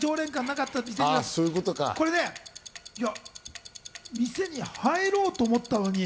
これね、店に入ろうと思ったのに。